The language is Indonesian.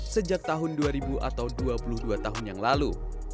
sejak tahun dua ribu atau dua puluh dua tahun yang lalu